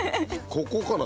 ここかな？